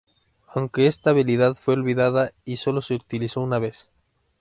Aunque esta habilidad fue olvidada y sólo se utilizó una vez.